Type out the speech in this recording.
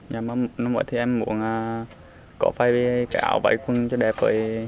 nhưng mà mỗi thứ em muốn có phải cái áo vải cung cho đẹp